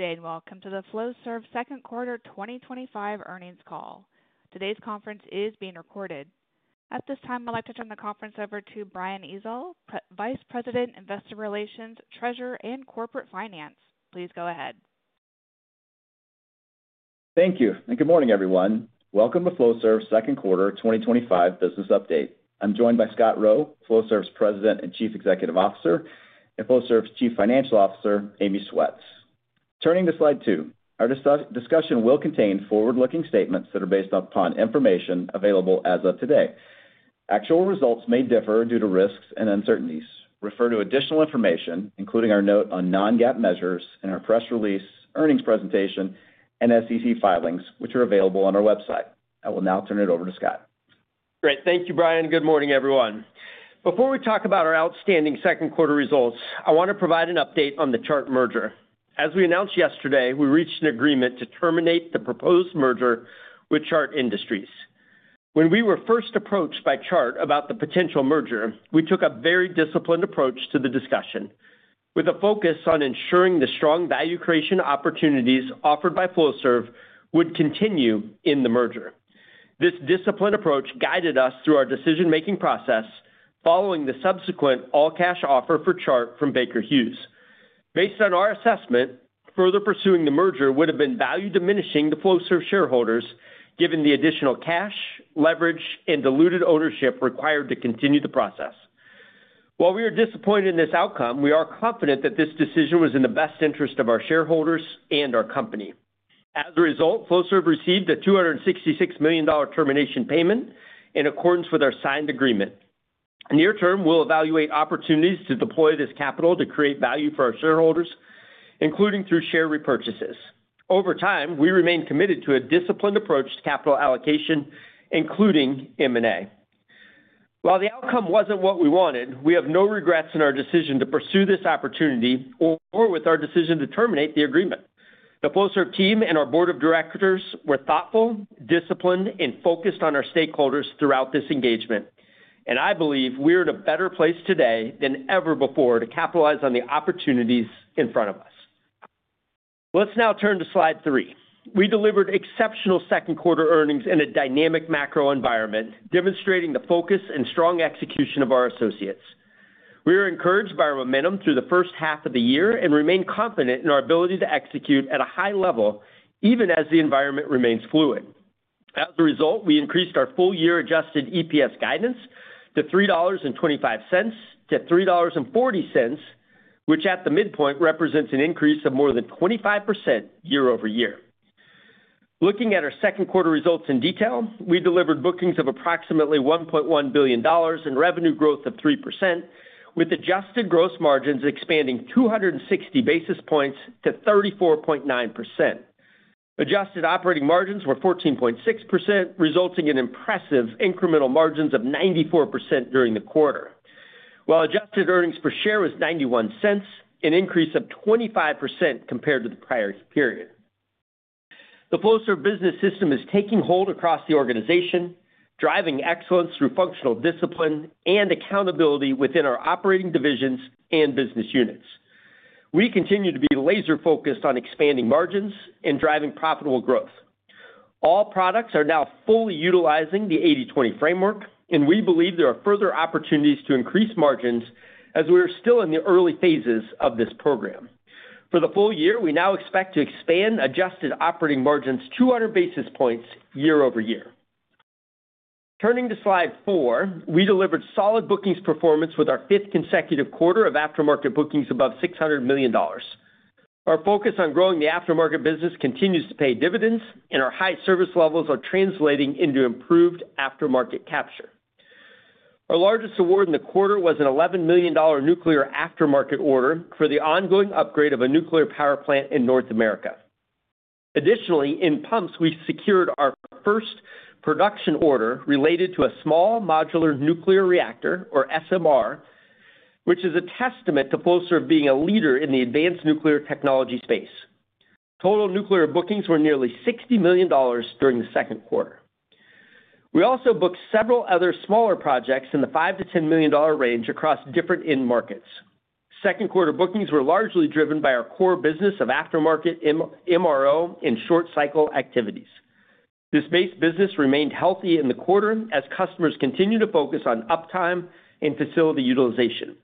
Today, welcome to the Flowserve second quarter 2025 earnings call. Today's conference is being recorded. At this time, I'd like to turn the conference over to Brian Ezzell, Vice President, Investor Relations, Treasurer, and Corporate Finance. Please go ahead. Thank you, and good morning, everyone. Welcome to Flowserve's second quarter 2025 business update. I'm joined by Scott Rowe, Flowserve's President and Chief Executive Officer, and Flowserve's Chief Financial Officer, Amy Schwetz. Turning to slide two, our discussion will contain forward-looking statements that are based upon information available as of today. Actual results may differ due to risks and uncertainties. Refer to additional information, including our note on non-GAAP measures and our press release, earnings presentation, and SEC filings, which are available on our website. I will now turn it over to Scott. Great, thank you, Brian, and good morning, everyone. Before we talk about our outstanding second quarter results, I want to provide an update on the Chart merger. As we announced yesterday, we reached an agreement to terminate the proposed merger with Chart Industries. When we were first approached by Chart about the potential merger, we took a very disciplined approach to the discussion, with a focus on ensuring the strong value creation opportunities offered by Flowserve would continue in the merger. This disciplined approach guided us through our decision-making process following the subsequent all-cash offer for Chart from Baker Hughes. Based on our assessment, further pursuing the merger would have been value-diminishing to Flowserve shareholders, given the additional cash, leverage, and diluted ownership required to continue the process. While we are disappointed in this outcome, we are confident that this decision was in the best interest of our shareholders and our company. As a result, Flowserve received a $266 million termination payment in accordance with our signed agreement. In the near term, we'll evaluate opportunities to deploy this capital to create value for our shareholders, including through share repurchases. Over time, we remain committed to a disciplined approach to capital allocation, including M&A. While the outcome wasn't what we wanted, we have no regrets in our decision to pursue this opportunity or with our decision to terminate the agreement. The Flowserve team and our Board of Directors were thoughtful, disciplined, and focused on our stakeholders throughout this engagement, and I believe we are in a better place today than ever before to capitalize on the opportunities in front of us. Let's now turn to slide three. We delivered exceptional second quarter earnings in a dynamic macro environment, demonstrating the focus and strong execution of our associates. We are encouraged by our momentum through the first half of the year and remain confident in our ability to execute at a high level, even as the environment remains fluid. As a result, we increased our full-year adjusted EPS guidance to $3.25-$3.40, which at the midpoint represents an increase of more than 25% year-over-year. Looking at our second quarter results in detail, we delivered bookings of approximately $1.1 billion and revenue growth of 3%, with adjusted gross margins expanding 260 basis points to 34.9%. Adjusted operating margins were 14.6%, resulting in impressive incremental margins of 94% during the quarter, while adjusted earnings per share was $0.91, an increase of 25% compared to the prior period. The Flowserve Business System is taking hold across the organization, driving excellence through functional discipline and accountability within our operating divisions and business units. We continue to be laser-focused on expanding margins and driving profitable growth. All products are now fully utilizing the 80/20 framework, and we believe there are further opportunities to increase margins as we are still in the early phases of this program. For the full year, we now expect to expand adjusted operating margins 200 basis points year-over-year. Turning to slide four, we delivered solid bookings performance with our fifth consecutive quarter of aftermarket bookings above $600 million. Our focus on growing the aftermarket business continues to pay dividends, and our high service levels are translating into improved aftermarket capture. Our largest award in the quarter was an $11 million nuclear aftermarket order for the ongoing upgrade of a nuclear power plant in North America. Additionally, in pumps, we secured our first production order related to a small modular nuclear reactor, or SMR, which is a testament to Flowserve being a leader in the advanced nuclear technology space. Total nuclear bookings were nearly $60 million during the second quarter. We also booked several other smaller projects in the $5 million-$10 million range across different end markets. Second quarter bookings were largely driven by our core business of aftermarket MRO and short cycle activities. This base business remained healthy in the quarter as customers continue to focus on uptime and facility utilization.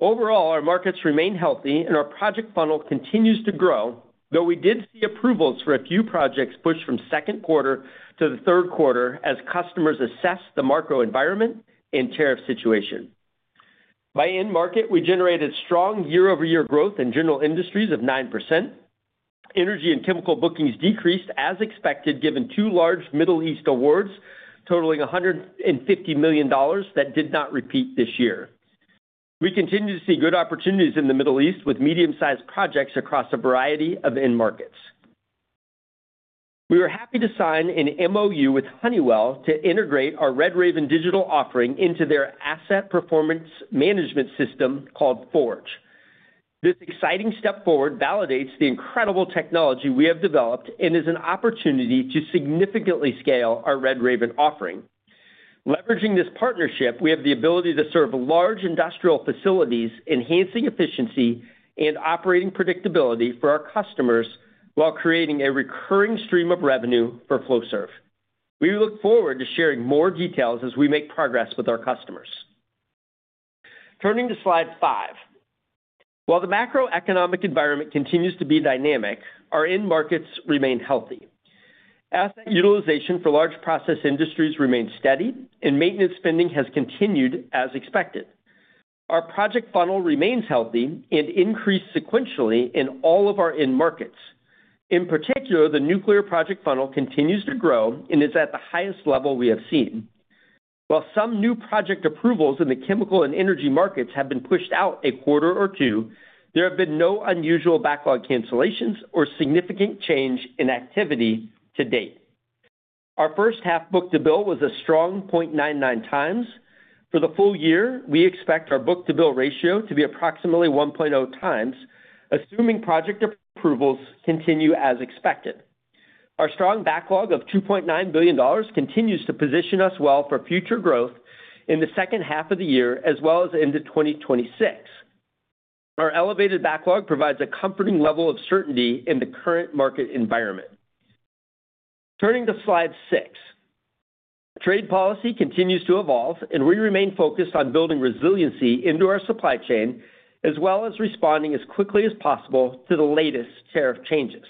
Overall, our markets remain healthy and our project funnel continues to grow, though we did see approvals for a few projects pushed from second quarter to the third quarter as customers assessed the market environment and tariff situation. By end market, we generated strong year-over-year growth in general industries of 9%. Energy and chemical bookings decreased as expected, given two large Middle East awards totaling $150 million that did not repeat this year. We continue to see good opportunities in the Middle East with medium-sized projects across a variety of end markets. We were happy to sign an MOU with Honeywell to integrate our RedRaven digital offering into their asset performance management system called Forge. This exciting step forward validates the incredible technology we have developed and is an opportunity to significantly scale our RedRaven offering. Leveraging this partnership, we have the ability to serve large industrial facilities, enhancing efficiency and operating predictability for our customers while creating a recurring stream of revenue for Flowserve. We look forward to sharing more details as we make progress with our customers. Turning to slide five. While the macroeconomic environment continues to be dynamic, our end markets remain healthy. Asset utilization for large process industries remains steady, and maintenance spending has continued as expected. Our project funnel remains healthy and increased sequentially in all of our end markets. In particular, the nuclear project funnel continues to grow and is at the highest level we have seen. While some new project approvals in the chemical and energy markets have been pushed out a quarter or two, there have been no unusual backlog cancellations or significant change in activity to date. Our first half book-to-bill was a strong 0.99x. For the full year, we expect our book-to-bill ratio to be approximately 1.0x, assuming project approvals continue as expected. Our strong backlog of $2.9 billion continues to position us well for future growth in the second half of the year, as well as into 2026. Our elevated backlog provides a comforting level of certainty in the current market environment. Turning to slide six. Trade policy continues to evolve, and we remain focused on building resiliency into our supply chain, as well as responding as quickly as possible to the latest tariff changes.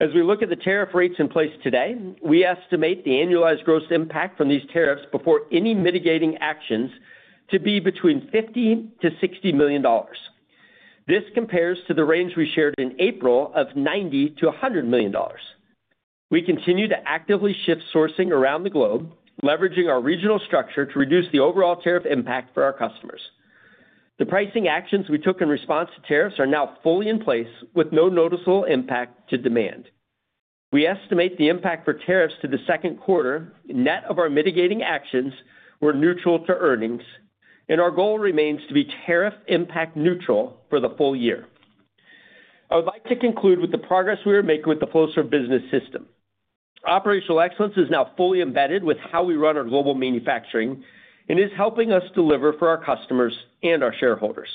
As we look at the tariff rates in place today, we estimate the annualized gross impact from these tariffs before any mitigating actions to be between $50 million-$60 million. This compares to the range we shared in April of $90 million-$100 million. We continue to actively shift sourcing around the globe, leveraging our regional structure to reduce the overall tariff impact for our customers. The pricing actions we took in response to tariffs are now fully in place, with no noticeable impact to demand. We estimate the impact for tariffs to the second quarter, net of our mitigating actions, were neutral to earnings, and our goal remains to be tariff impact neutral for the full year. I would like to conclude with the progress we are making with the Flowserve Business System. Operational excellence is now fully embedded with how we run our global manufacturing and is helping us deliver for our customers and our shareholders.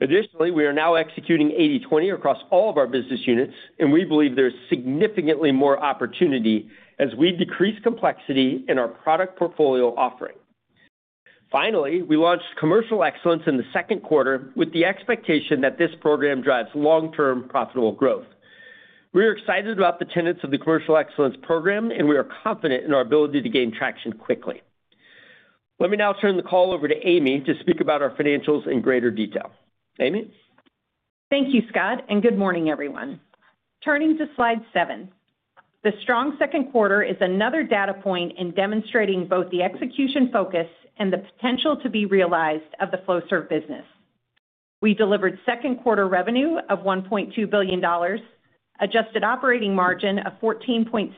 Additionally, we are now executing 80/20 across all of our business units, and we believe there is significantly more opportunity as we decrease complexity in our product portfolio offering. Finally, we launched commercial excellence in the second quarter with the expectation that this program drives long-term profitable growth. We are excited about the tenets of the commercial excellence program, and we are confident in our ability to gain traction quickly. Let me now turn the call over to Amy to speak about our financials in greater detail. Amy? Thank you, Scott, and good morning, everyone. Turning to slide seven. The strong second quarter is another data point in demonstrating both the execution focus and the potential to be realized of the Flowserve business. We delivered second quarter revenue of $1.2 billion, adjusted operating margin of 14.6%,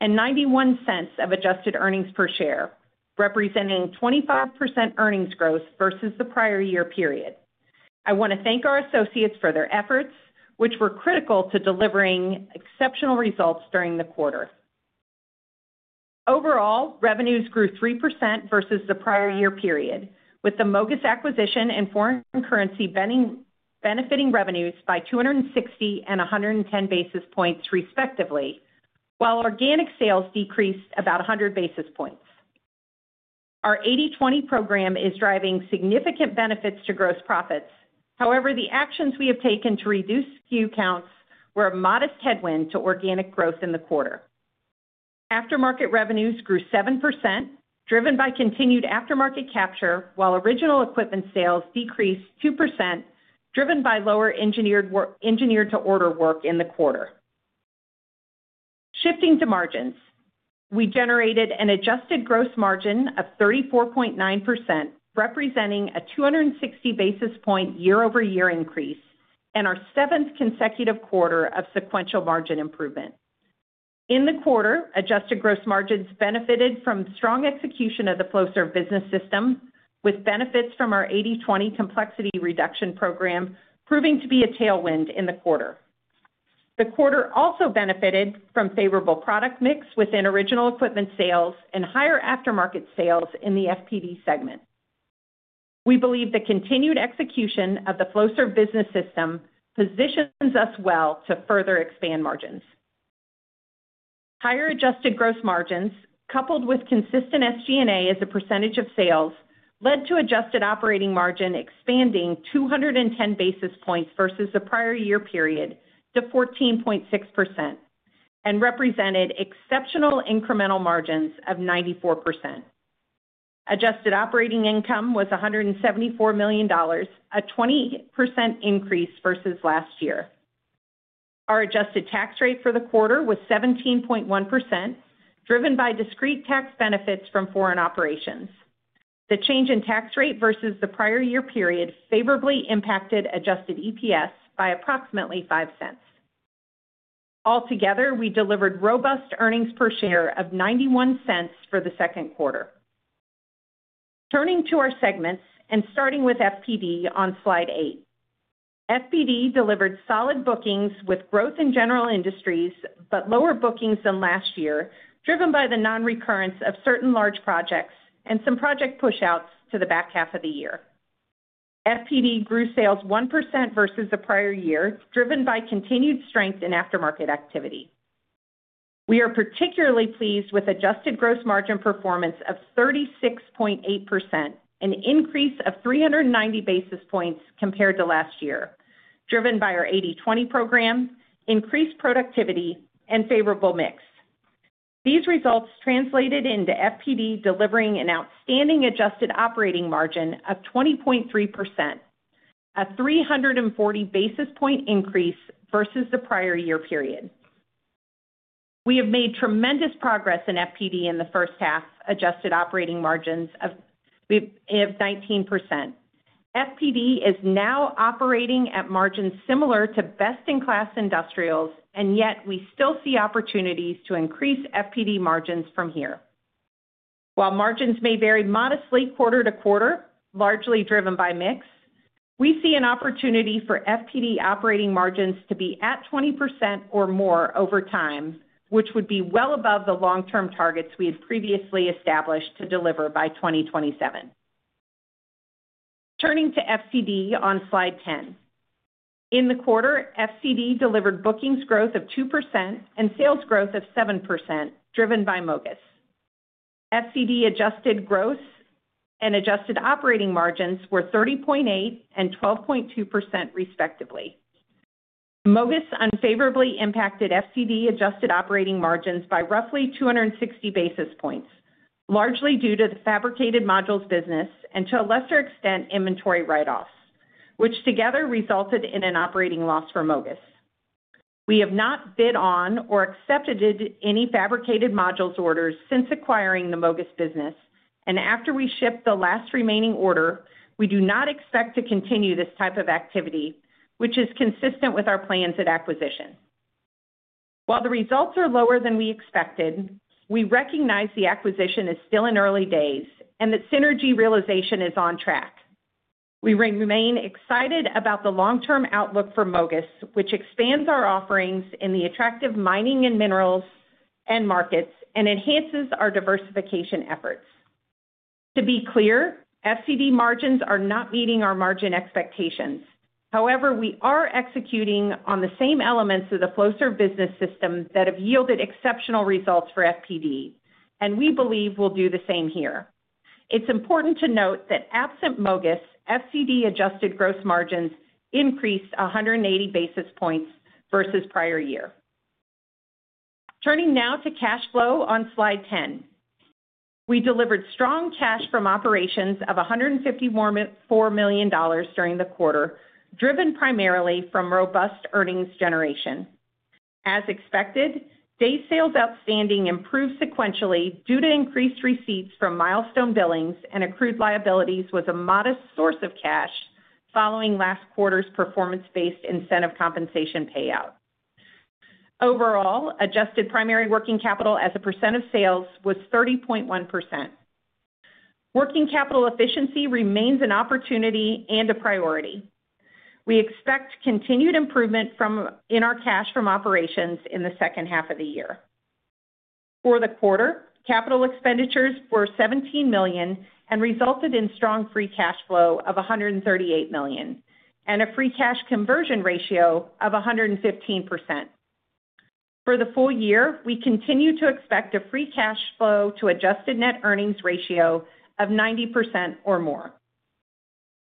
and $0.91 of adjusted earnings per share, representing 25% earnings growth versus the prior year period. I want to thank our associates for their efforts, which were critical to delivering exceptional results during the quarter. Overall, revenues grew 3% versus the prior year period, with the MOGAS acquisition and foreign currency benefiting revenues by 260 and 110 basis points respectively, while organic sales decreased about 100 basis points. Our 80/20 program is driving significant benefits to gross profits. However, the actions we have taken to reduce SKU counts were a modest headwind to organic growth in the quarter. Aftermarket revenues grew 7%, driven by continued aftermarket capture, while original equipment sales decreased 2%, driven by lower engineered to order work in the quarter. Shifting to margins, we generated an adjusted gross margin of 34.9%, representing a 260 basis point year-over-year increase and our seventh consecutive quarter of sequential margin improvement. In the quarter, adjusted gross margins benefited from strong execution of the Flowserve Business System, with benefits from our 80/20 complexity reduction program proving to be a tailwind in the quarter. The quarter also benefited from favorable product mix within original equipment sales and higher aftermarket sales in the FPD segment. We believe the continued execution of the Flowserve Business System positions us well to further expand margins. Higher adjusted gross margins, coupled with consistent SG&A as a percentage of sales, led to adjusted operating margin expanding 210 basis points versus the prior year period to 14.6% and represented exceptional incremental margins of 94%. Adjusted operating income was $174 million, a 20% increase versus last year. Our adjusted tax rate for the quarter was 17.1%, driven by discrete tax benefits from foreign operations. The change in tax rate versus the prior year period favorably impacted adjusted EPS by approximately $0.05. Altogether, we delivered robust earnings per share of $0.91 for the second quarter. Turning to our segments and starting with FPD on slide eight. FPD delivered solid bookings with growth in general industries, but lower bookings than last year, driven by the non-recurrence of certain large projects and some project push-outs to the back half of the year. FPD grew sales 1% versus the prior year, driven by continued strength in aftermarket activity. We are particularly pleased with adjusted gross margin performance of 36.8%, an increase of 390 basis points compared to last year, driven by our 80/20 complexity reduction program, increased productivity, and favorable mix. These results translated into FPD delivering an outstanding adjusted operating margin of 20.3%, a 340 basis point increase versus the prior year period. We have made tremendous progress in FPD in the first half, adjusted operating margins of 19%. FPD is now operating at margins similar to best-in-class industrials, and yet we still see opportunities to increase FPD margins from here. While margins may vary modestly quarter to quarter, largely driven by mix, we see an opportunity for FPD operating margins to be at 20% or more over time, which would be well above the long-term targets we had previously established to deliver by 2027. Turning to FPD on slide 10. In the quarter, FPD delivered bookings growth of 2% and sales growth of 7%, driven by MOGAS. FPD adjusted gross and adjusted operating margins were 30.8% and 12.2% respectively. MOGAS unfavorably impacted FPD adjusted operating margins by roughly 260 basis points, largely due to the fabricated modules business and to a lesser extent inventory write-offs, which together resulted in an operating loss for MOGAS. We have not bid on or accepted any fabricated modules orders since acquiring the MOGAS business, and after we ship the last remaining order, we do not expect to continue this type of activity, which is consistent with our plans at acquisition. While the results are lower than we expected, we recognize the acquisition is still in early days and that synergy realization is on track. We remain excited about the long-term outlook for MOGAS, which expands our offerings in the attractive mining and minerals markets and enhances our diversification efforts. To be clear, FPD margins are not meeting our margin expectations. However, we are executing on the same elements of the Flowserve Business System that have yielded exceptional results for FPD, and we believe we'll do the same here. It's important to note that absent MOGAS, FPD adjusted gross margins increased 180 basis points versus prior year. Turning now to cash flow on slide 10. We delivered strong cash from operations of $154 million during the quarter, driven primarily from robust earnings generation. As expected, day sales outstanding improved sequentially due to increased receipts from milestone billings, and accrued liabilities was a modest source of cash following last quarter's performance-based incentive compensation payout. Overall, adjusted primary working capital as a percent of sales was 30.1%. Working capital efficiency remains an opportunity and a priority. We expect continued improvement in our cash from operations in the second half of the year. For the quarter, capital expenditures were $17 million and resulted in strong free cash flow of $138 million and a free cash conversion ratio of 115%. For the full year, we continue to expect a free cash flow to adjusted net earnings ratio of 90% or more.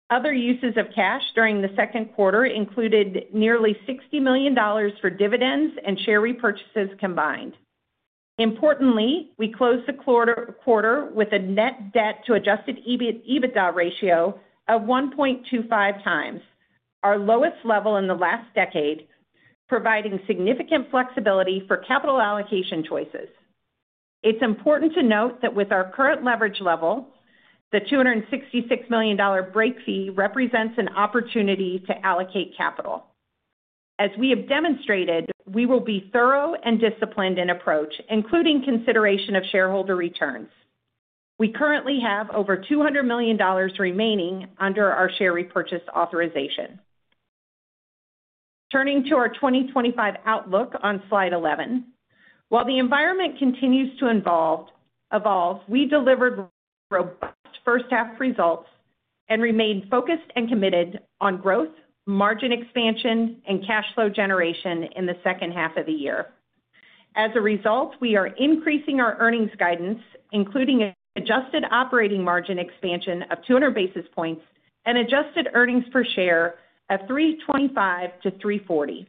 Other uses of cash during the second quarter included nearly $60 million for dividends and share repurchases combined. Importantly, we closed the quarter with a net debt to adjusted EBITDA ratio of 1.25x, our lowest level in the last decade, providing significant flexibility for capital allocation choices. It's important to note that with our current leverage level, the $266 million break fee represents an opportunity to allocate capital. As we have demonstrated, we will be thorough and disciplined in approach, including consideration of shareholder returns. We currently have over $200 million remaining under our share repurchase authorization. Turning to our 2025 outlook on slide 11. While the environment continues to evolve, we delivered robust first half results and remained focused and committed on growth, margin expansion, and cash flow generation in the second half of the year. As a result, we are increasing our earnings guidance, including an adjusted operating margin expansion of 200 basis points and adjusted earnings per share of $3.25-$3.40.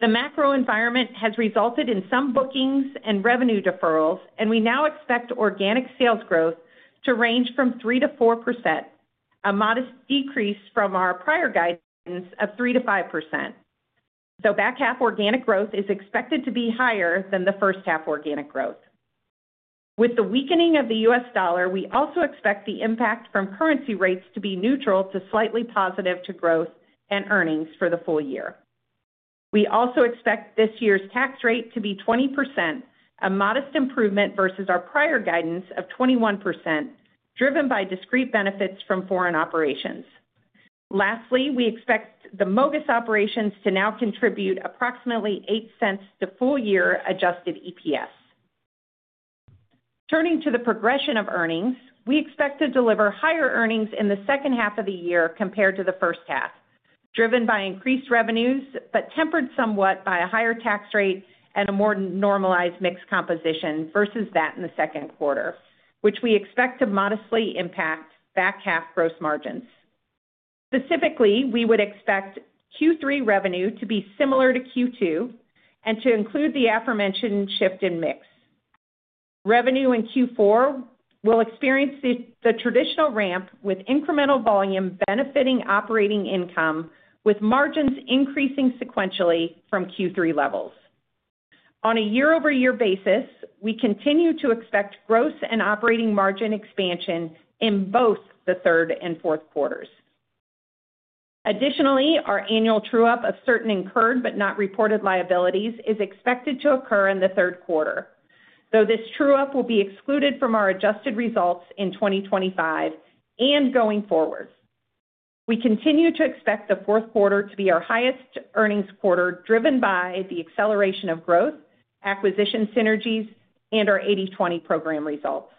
The macro environment has resulted in some bookings and revenue deferrals, and we now expect organic sales growth to range from 3%-4%, a modest decrease from our prior guidance of 3%-5%. Back half organic growth is expected to be higher than the first half organic growth. With the weakening of the U.S. dollar, we also expect the impact from currency rates to be neutral to slightly positive to growth and earnings for the full year. We also expect this year's tax rate to be 20%, a modest improvement versus our prior guidance of 21%, driven by discrete benefits from foreign operations. Lastly, we expect the MOGAS operations to now contribute approximately $0.08 to full-year adjusted EPS. Turning to the progression of earnings, we expect to deliver higher earnings in the second half of the year compared to the first half, driven by increased revenues, but tempered somewhat by a higher tax rate and a more normalized mix composition versus that in the second quarter, which we expect to modestly impact back half gross margins. Specifically, we would expect Q3 revenue to be similar to Q2 and to include the aforementioned shift in mix. Revenue in Q4 will experience the traditional ramp with incremental volume benefiting operating income, with margins increasing sequentially from Q3 levels. On a year-over-year basis, we continue to expect growth and operating margin expansion in both the third and fourth quarters. Additionally, our annual true-up of certain incurred but not reported liabilities is expected to occur in the third quarter, though this true-up will be excluded from our adjusted results in 2025 and going forward. We continue to expect the fourth quarter to be our highest earnings quarter, driven by the acceleration of growth, acquisition synergies, and our 80/20 program results.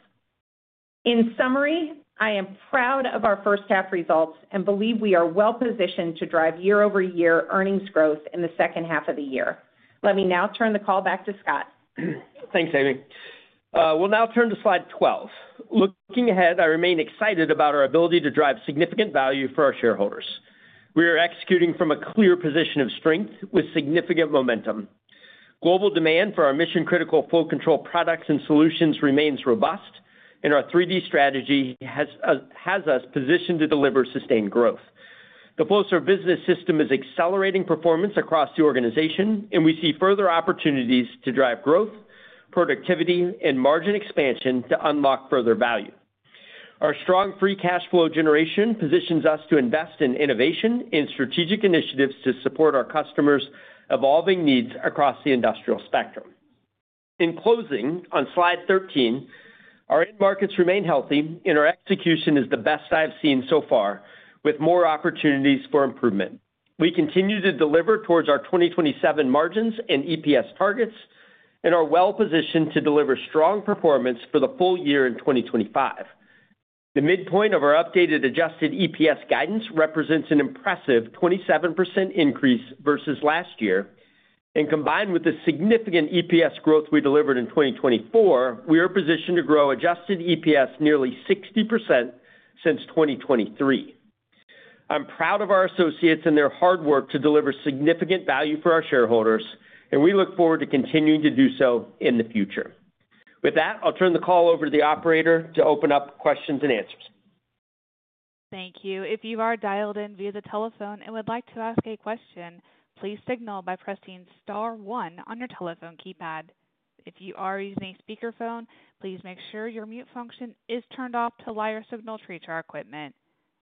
In summary, I am proud of our first half results and believe we are well positioned to drive year-over-year earnings growth in the second half of the year. Let me now turn the call back to Scott. Thanks, Amy. We'll now turn to slide 12. Looking ahead, I remain excited about our ability to drive significant value for our shareholders. We are executing from a clear position of strength with significant momentum. Global demand for our mission-critical flow control products and solutions remains robust, and our 3D strategy has us positioned to deliver sustained growth. The Flowserve Business System is accelerating performance across the organization, and we see further opportunities to drive growth, productivity, and margin expansion to unlock further value. Our strong free cash flow generation positions us to invest in innovation and strategic initiatives to support our customers' evolving needs across the industrial spectrum. In closing, on slide 13, our end markets remain healthy, and our execution is the best I've seen so far, with more opportunities for improvement. We continue to deliver towards our 2027 margins and EPS targets and are well positioned to deliver strong performance for the full year in 2025. The midpoint of our updated adjusted EPS guidance represents an impressive 27% increase versus last year, and combined with the significant EPS growth we delivered in 2024, we are positioned to grow adjusted EPS nearly 60% since 2023. I'm proud of our associates and their hard work to deliver significant value for our shareholders, and we look forward to continuing to do so in the future. With that, I'll turn the call over to the operator to open up questions and answers. Thank you. If you are dialed in via the telephone and would like to ask a question, please signal by pressing star one on your telephone keypad. If you are using a speakerphone, please make sure your mute function is turned off to allow your signal to reach our equipment.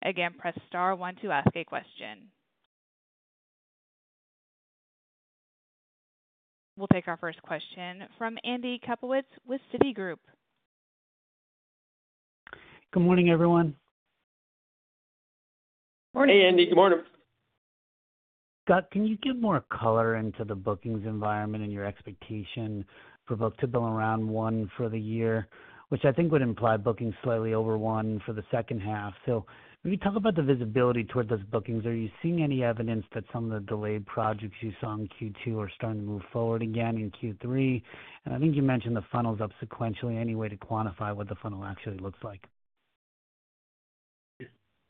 Again, press star one to ask a question. We'll take our first question from Andy Kaplowitz with Citigroup. Good morning, everyone. Morning. Hey, Andy. Good morning. Scott, can you give more color into the bookings environment and your expectation for book-to-bill around one for the year, which I think would imply bookings slightly over one for the second half? Maybe talk about the visibility towards those bookings. Are you seeing any evidence that some of the delayed projects you saw in Q2 are starting to move forward again in Q3? I think you mentioned the funnel's up sequentially. Any way to quantify what the funnel actually looks like?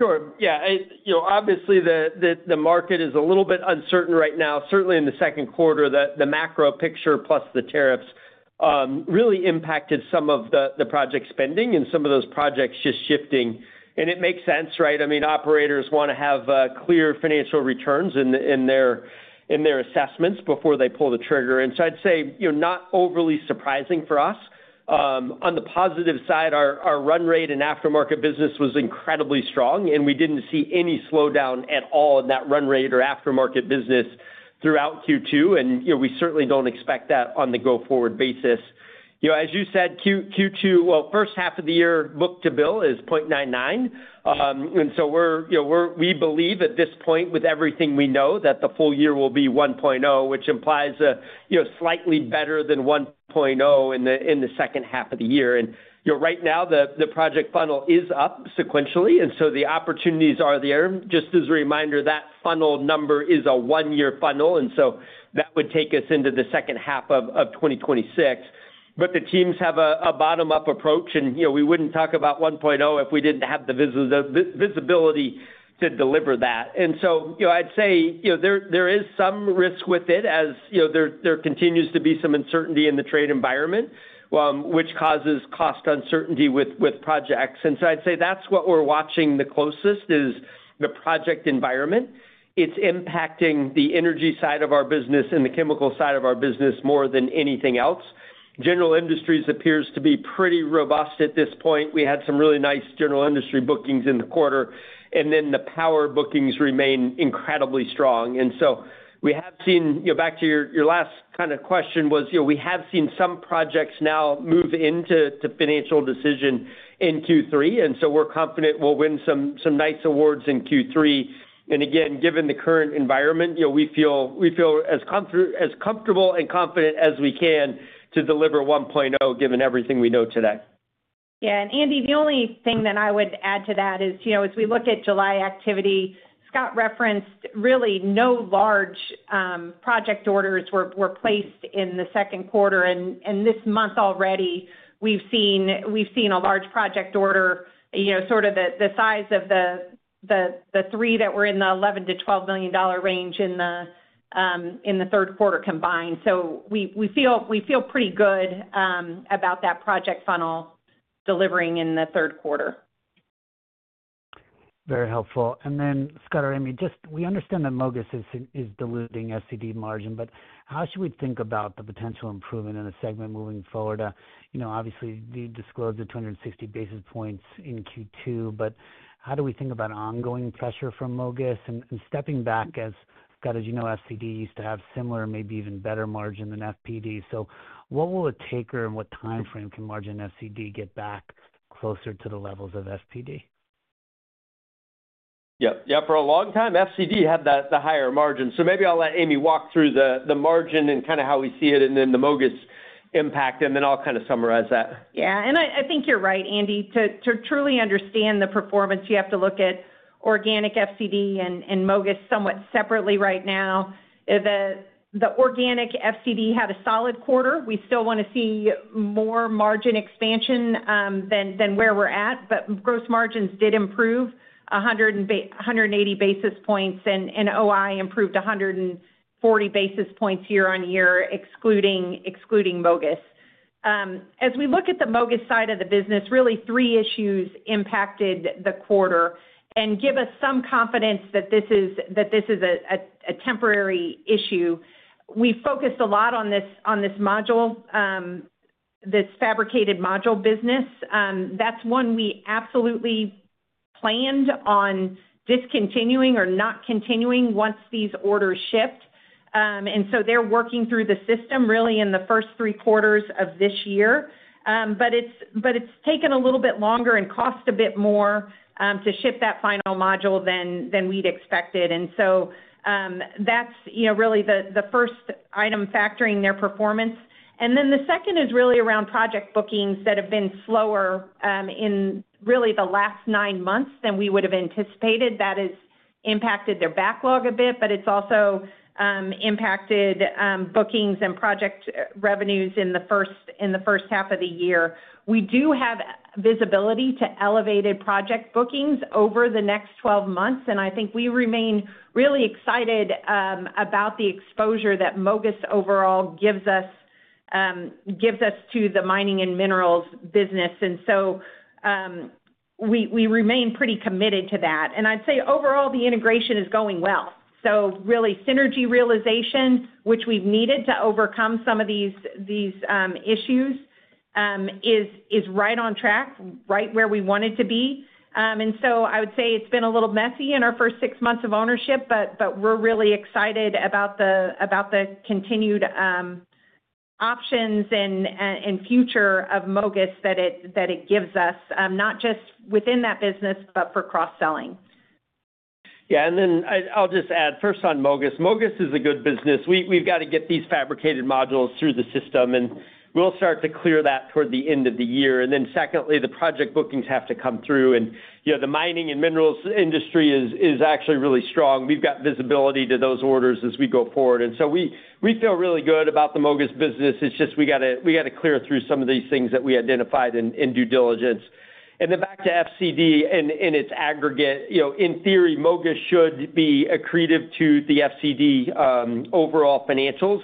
Sure. Yeah. You know, obviously, the market is a little bit uncertain right now. Certainly, in the second quarter, the macro picture plus the tariffs really impacted some of the project spending and some of those projects just shifting. It makes sense, right? I mean, operators want to have clear financial returns in their assessments before they pull the trigger. I'd say, you know, not overly surprising for us. On the positive side, our run rate in aftermarket business was incredibly strong, and we didn't see any slowdown at all in that run rate or aftermarket business throughout Q2. We certainly don't expect that on the go-forward basis. You know, as you said, Q2, well, first half of the year, book-to-bill is 0.99x. We're, you know, we believe at this point, with everything we know, that the full year will be 1.0x, which implies a, you know, slightly better than 1.0x in the second half of the year. Right now, the project funnel is up sequentially, and so the opportunities are there. Just as a reminder, that funnel number is a one-year funnel, and so that would take us into the second half of 2026. The teams have a bottom-up approach, and you know, we wouldn't talk about 1.0x if we didn't have the visibility to deliver that. I'd say, you know, there is some risk with it as, you know, there continues to be some uncertainty in the trade environment, which causes cost uncertainty with projects. I'd say that's what we're watching the closest is the project environment. It's impacting the energy side of our business and the chemical side of our business more than anything else. General industries appears to be pretty robust at this point. We had some really nice general industry bookings in the quarter, and then the power bookings remain incredibly strong. We have seen, you know, back to your last kind of question was, you know, we have seen some projects now move into financial decision in Q3, and so we're confident we'll win some nice awards in Q3. Again, given the current environment, you know, we feel as comfortable and confident as we can to deliver 1.0x, given everything we know today. Yeah. Andy, the only thing that I would add to that is, you know, as we look at July activity, Scott referenced really no large project orders were placed in the second quarter. This month already, we've seen a large project order, you know, sort of the size of the three that were in the $11 million-$12 million range in the third quarter combined. We feel pretty good about that project funnel delivering in the third quarter. Very helpful. Scott or Amy, we understand that MOGAS is diluting FCD margin, but how should we think about the potential improvement in the segment moving forward? Obviously, you disclosed the 260 basis points in Q2, but how do we think about ongoing pressure from MOGAS and, stepping back, as Scott, as you know, FCD used to have similar, maybe even better margin than FPD. What will it take or in what timeframe can margin FCD get back closer to the levels of FPD? Yeah, for a long time, FCD had the higher margin. Maybe I'll let Amy walk through the margin and kind of how we see it and then the MOGAS impact, and then I'll kind of summarize that. Yeah. I think you're right, Andy. To truly understand the performance, you have to look at organic FCD and MOGAS somewhat separately right now. The organic FCD had a solid quarter. We still want to see more margin expansion than where we're at, but gross margins did improve 180 basis points, and OI improved 140 basis points year on year, excluding MOGAS. As we look at the MOGAS side of the business, really three issues impacted the quarter and give us some confidence that this is a temporary issue. We focused a lot on this module, this fabricated module business. That's one we absolutely planned on discontinuing or not continuing once these orders shipped. They're working through the system really in the first three quarters of this year. It's taken a little bit longer and cost a bit more to ship that final module than we'd expected. That's really the first item factoring their performance. The second is really around project bookings that have been slower in really the last nine months than we would have anticipated. That has impacted their backlog a bit, but it's also impacted bookings and project revenues in the first half of the year. We do have visibility to elevated project bookings over the next 12 months, and I think we remain really excited about the exposure that MOGAS overall gives us to the mining and minerals business. We remain pretty committed to that. I'd say overall the integration is going well. Synergy realization, which we've needed to overcome some of these issues, is right on track, right where we want it to be. I would say it's been a little messy in our first six months of ownership, but we're really excited about the continued options and future of MOGAS that it gives us, not just within that business, but for cross-selling. Yeah. I'll just add first on MOGAS. MOGAS is a good business. We've got to get these fabricated modules through the system, and we'll start to clear that toward the end of the year. Secondly, the project bookings have to come through, and you know the mining and minerals industry is actually really strong. We've got visibility to those orders as we go forward. We feel really good about the MOGAS business. It's just we got to clear through some of these things that we identified in due diligence. Back to FCD in its aggregate, you know, in theory, MOGAS should be accretive to the FCD overall financials.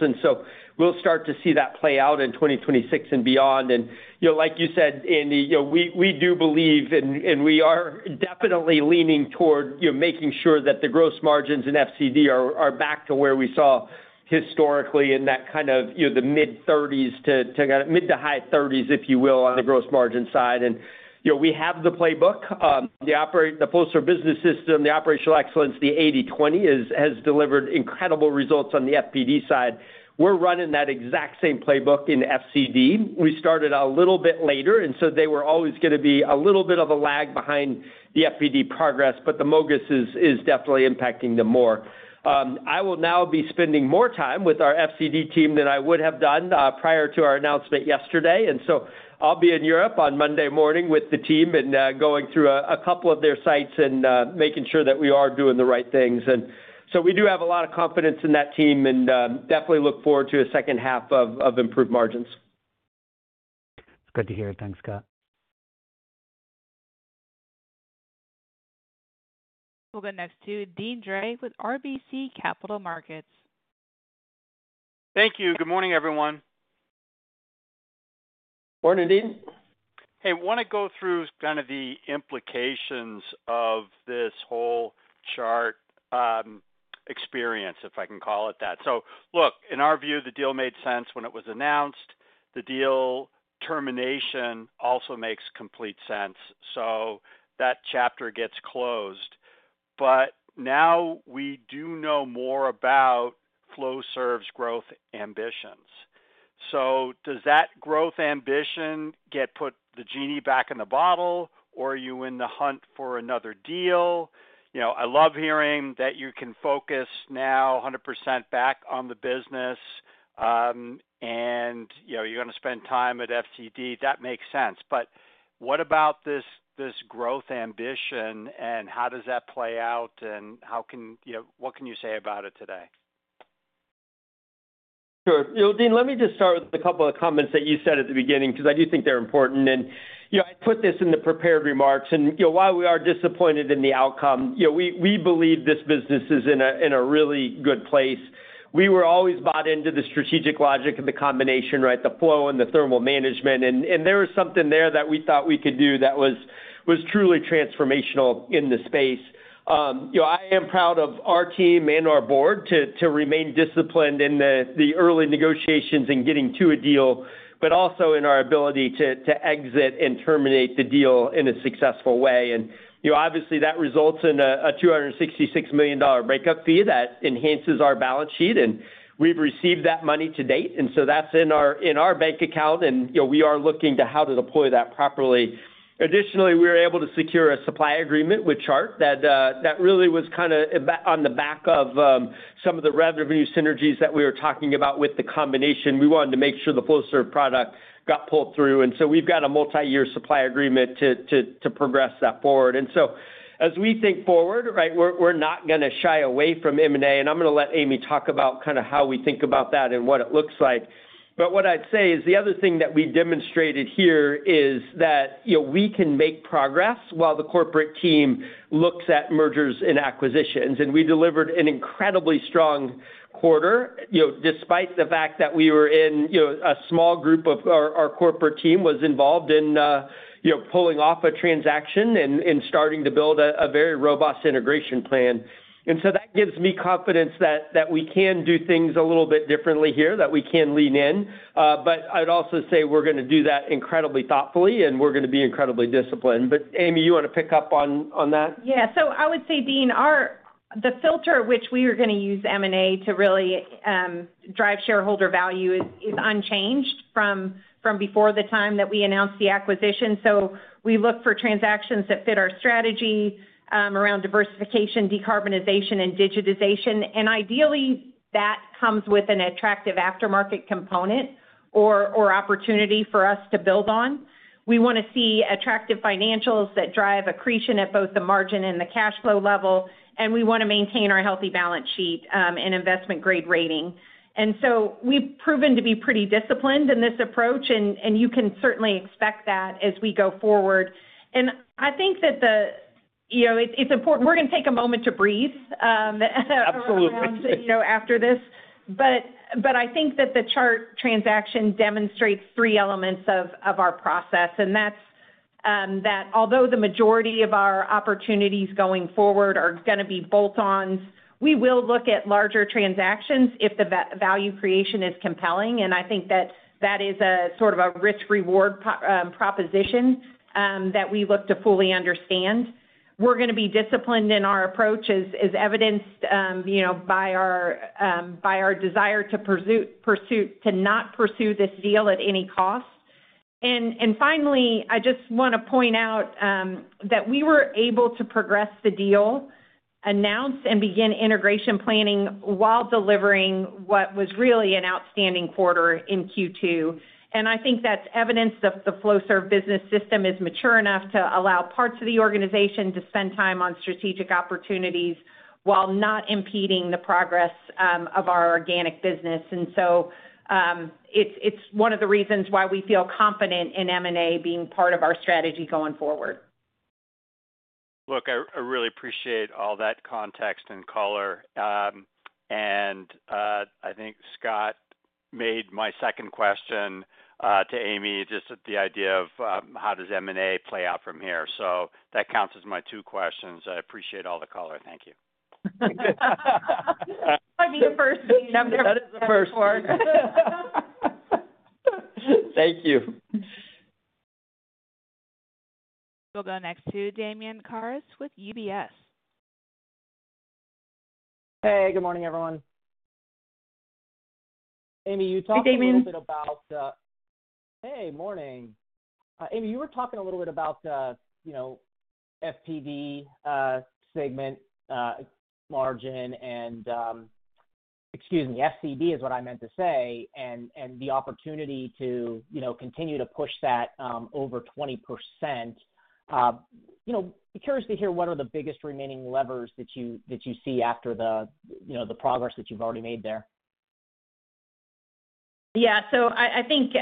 We'll start to see that play out in 2026 and beyond. You know, like you said, Andy, you know we do believe and we are definitely leaning toward making sure that the gross margins in FCD are back to where we saw historically in that kind of, you know, the mid 30% to kind of mid to high 30%, if you will, on the gross margin side. You know we have the playbook. The Flowserve Business System, the operational excellence, the 80/20 has delivered incredible results on the FPD side. We're running that exact same playbook in FCD. We started a little bit later, and so they were always going to be a little bit of a lag behind the FPD progress, but the MOGAS is definitely impacting them more. I will now be spending more time with our FCD team than I would have done prior to our announcement yesterday. I'll be in Europe on Monday morning with the team and going through a couple of their sites and making sure that we are doing the right things. We do have a lot of confidence in that team and definitely look forward to a second half of improved margins. It's good to hear it. Thanks, Scott. We'll go next to Deane Dray with RBC Capital Markets. Thank you. Good morning, everyone. Morning, Deane. Hey, I want to go through kind of the implications of this whole Chart experience, if I can call it that. In our view, the deal made sense when it was announced. The deal termination also makes complete sense. That chapter gets closed. Now we do know more about Flowserve's growth ambitions. Does that growth ambition get put the genie back in the bottle, or are you in the hunt for another deal? I love hearing that you can focus now 100% back on the business, and you know you're going to spend time at FCD. That makes sense. What about this growth ambition and how does that play out and how can, you know, what can you say about it today? Sure. Deane, let me just start with a couple of comments that you said at the beginning because I do think they're important. I put this in the prepared remarks. While we are disappointed in the outcome, we believe this business is in a really good place. We were always bought into the strategic logic of the combination, the flow and the thermal management. There was something there that we thought we could do that was truly transformational in the space. I am proud of our team and our board to remain disciplined in the early negotiations and getting to a deal, but also in our ability to exit and terminate the deal in a successful way. Obviously, that results in a $266 million breakup fee that enhances our balance sheet. We've received that money to date. That's in our bank account, and we are looking to how to deploy that properly. Additionally, we were able to secure a supply agreement with Chart that really was kind of on the back of some of the revenue synergies that we were talking about with the combination. We wanted to make sure the Flowserve product got pulled through. We've got a multi-year supply agreement to progress that forward. As we think forward, we're not going to shy away from M&A. I'm going to let Amy talk about kind of how we think about that and what it looks like. What I'd say is the other thing that we demonstrated here is that we can make progress while the corporate team looks at mergers and acquisitions. We delivered an incredibly strong quarter, despite the fact that a small group of our corporate team was involved in pulling off a transaction and starting to build a very robust integration plan. That gives me confidence that we can do things a little bit differently here, that we can lean in. I'd also say we're going to do that incredibly thoughtfully, and we're going to be incredibly disciplined. Amy, you want to pick up on that? Yeah. I would say, Deane, the filter at which we are going to use M&A to really drive shareholder value is unchanged from before the time that we announced the acquisition. We look for transactions that fit our strategy around diversification, decarbonization, and digitization. Ideally, that comes with an attractive aftermarket component or opportunity for us to build on. We want to see attractive financials that drive accretion at both the margin and the cash flow level, and we want to maintain our healthy balance sheet and investment-grade rating. We have proven to be pretty disciplined in this approach, and you can certainly expect that as we go forward. I think it's important. We're going to take a moment to breathe. Absolutely. I think that the Chart transaction demonstrates three elements of our process, and that's that although the majority of our opportunities going forward are going to be bolt-ons, we will look at larger transactions if the value creation is compelling. I think that that is a sort of a risk-reward proposition that we look to fully understand. We're going to be disciplined in our approach as evidenced by our desire to not pursue this deal at any cost. Finally, I just want to point out that we were able to progress the deal, announce, and begin integration planning while delivering what was really an outstanding quarter in Q2. I think that's evidence that the Flowserve Business System is mature enough to allow parts of the organization to spend time on strategic opportunities while not impeding the progress of our organic business. It is one of the reasons why we feel confident in M&A being part of our strategy going forward. I really appreciate all that context and color. I think Scott made my second question to Amy, just the idea of how does M&A play out from here? That counts as my two questions. I appreciate all the color. Thank you. Pardon me, Deane. I'm nervous. That is the first one. Thank you. We'll go next to Damian Karas with UBS. Hey, good morning, everyone. Amy, you talked a little bit about. Hey, Damian. Hey, morning. Amy, you were talking a little bit about FCD segment margin and, excuse me, FCD is what I meant to say, and the opportunity to continue to push that over 20%. Curious to hear what are the biggest remaining levers that you see after the progress that you've already made there. Yeah. I think,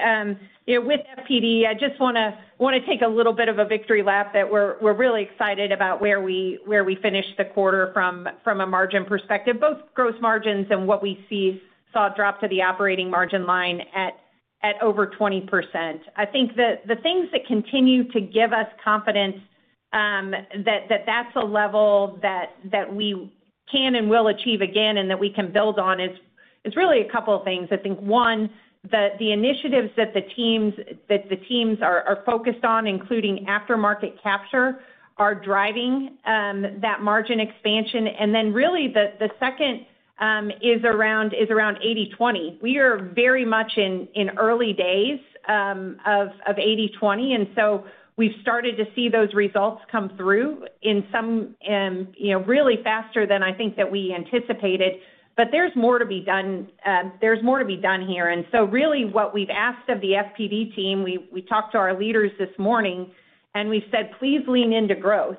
you know, with FPD, I just want to take a little bit of a victory lap that we're really excited about where we finished the quarter from a margin perspective, both gross margins and what we saw drop to the operating margin line at over 20%. I think that the things that continue to give us confidence that that's a level that we can and will achieve again and that we can build on is really a couple of things. One, the initiatives that the teams are focused on, including aftermarket capture, are driving that margin expansion. The second is around 80/20. We are very much in early days of 80/20, and we've started to see those results come through really faster than I think that we anticipated. There's more to be done. There's more to be done here. What we've asked of the FPD team, we talked to our leaders this morning, and we've said, "Please lean into growth."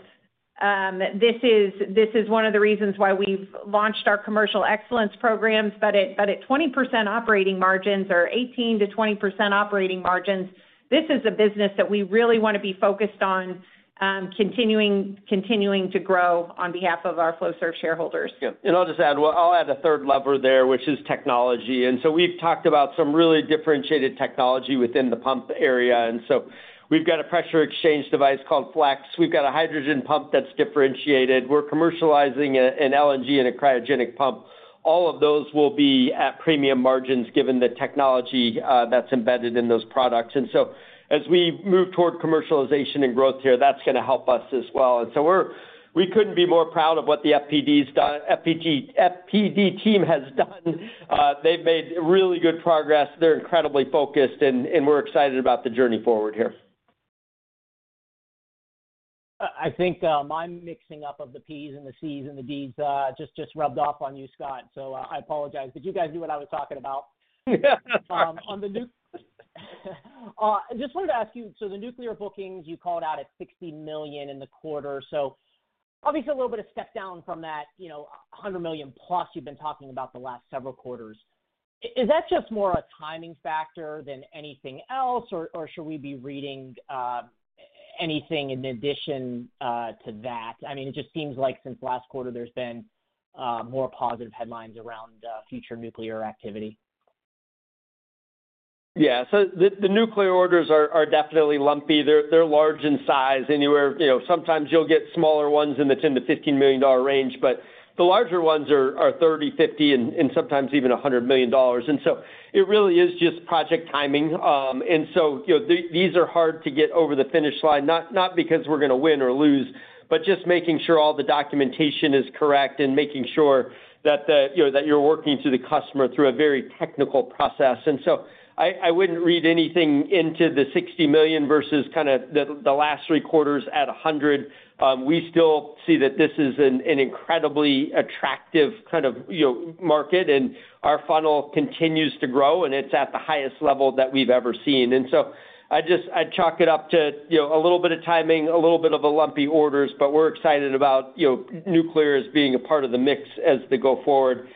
This is one of the reasons why we've launched our commercial excellence programs. At 20% operating margins or 18%-20% operating margins, this is a business that we really want to be focused on continuing to grow on behalf of our Flowserve shareholders. Yeah. I'll just add a third lever there, which is technology. We've talked about some really differentiated technology within the pump area. We've got a pressure exchange device called FLEX. We've got a hydrogen pump that's differentiated. We're commercializing an LNG and a cryogenic pump. All of those will be at premium margins given the technology that's embedded in those products. As we move toward commercialization and growth here, that's going to help us as well. We couldn't be more proud of what the FPD team has done. They've made really good progress. They're incredibly focused, and we're excited about the journey forward here. I think my mixing up of the P's and the C's and the D's just rubbed off on you, Scott. I apologize, but you guys knew what I was talking about. Yeah. I just wanted to ask you, the nuclear bookings, you called out at $60 million in the quarter. Obviously, a little bit of a step down from that $100+ million you've been talking about the last several quarters. Is that just more a timing factor than anything else, or should we be reading anything in addition to that? It just seems like since last quarter, there's been more positive headlines around future nuclear activity. Yeah. The nuclear orders are definitely lumpy. They're large in size. Sometimes you'll get smaller ones in the $10 million-$15 million range, but the larger ones are $30 million-$50 million, and sometimes even $100 million. It really is just project timing. These are hard to get over the finish line, not because we're going to win or lose, but just making sure all the documentation is correct and making sure that you're working through the customer through a very technical process. I wouldn't read anything into the $60 million versus kind of the last three quarters at $100 million. We still see that this is an incredibly attractive market, and our funnel continues to grow, and it's at the highest level that we've ever seen. I'd chalk it up to a little bit of timing, a little bit of the lumpy orders, but we're excited about nuclear as being a part of the mix as they go forward.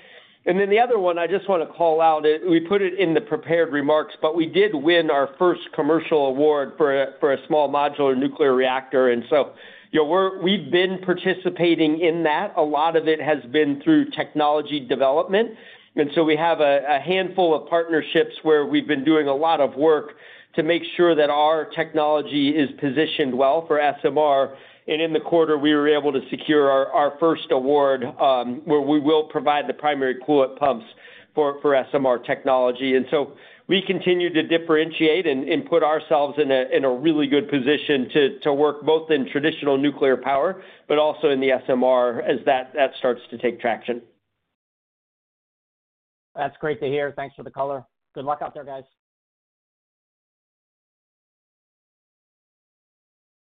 The other one I just want to call out, we put it in the prepared remarks, but we did win our first commercial award for a small modular nuclear reactor. We've been participating in that. A lot of it has been through technology development. We have a handful of partnerships where we've been doing a lot of work to make sure that our technology is positioned well for SMR. In the quarter, we were able to secure our first award where we will provide the primary coolant pumps for SMR technology. We continue to differentiate and put ourselves in a really good position to work both in traditional nuclear power, but also in the SMR as that starts to take traction. That's great to hear. Thanks for the color. Good luck out there, guys.